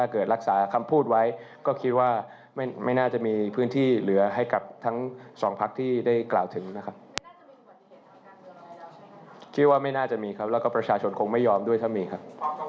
ความกังวลใจของคุณพิษาตอนนี้หรืออะไรครับ